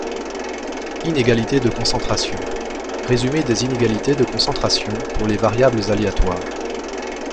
Inégalité de concentration - résumé des inégalités de concentration pour les variables aléatoires.